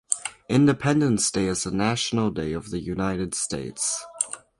Independence Day is the National Day of the United States.